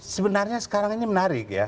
sebenarnya sekarang ini menarik ya